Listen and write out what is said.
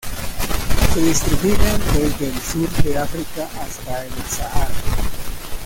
Se distribuyen desde el sur de África hasta el Sahara.